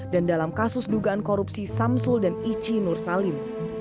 dan dalam kasus dugaan korupsi samsul dan ici nursalim